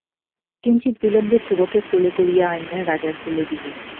কিঞ্চিৎ বিলম্বে ধ্রুবকে কোলে করিয়া আনিয়া রাজার কোলে দিলেন।